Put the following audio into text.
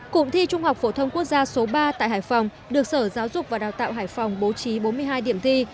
cụm thi trung học phổ thông quốc gia số ba tại hải phòng được sở giáo dục và đào tạo hải phòng bố trí bốn mươi hai điểm thi